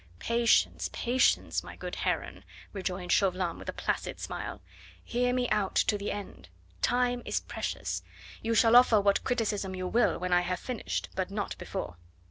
"Patience, patience, my good Heron!" rejoined Chauvelin with a placid smile. "Hear me out to the end. Time is precious. You shall offer what criticism you will when I have finished, but not before."